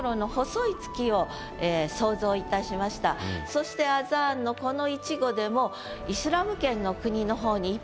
そして「アザーン」のこの一語でも。